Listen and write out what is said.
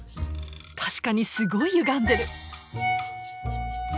確かにすごいゆがんでる。